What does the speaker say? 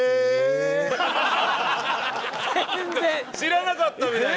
「知らなかった」みたいな。